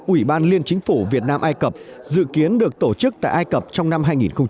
ủy ban liên chính phủ việt nam ai cập dự kiến được tổ chức tại ai cập trong năm hai nghìn hai mươi